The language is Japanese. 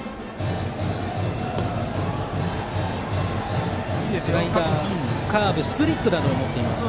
岡田はスライダー、カーブスプリットなどを持ちます。